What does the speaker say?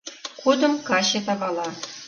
Кудым каче тавала.